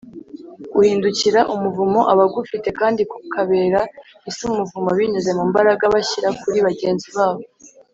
guhindukira umuvumo abagufite, kandi kukabera isi umuvumo binyuze mu mbaraga bashyira kuri bagenzi babo